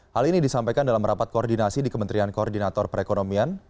hal ini disampaikan dalam rapat koordinasi di kementerian koordinator perekonomian